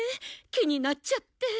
気になっちゃって。